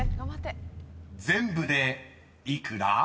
［全部で幾ら？］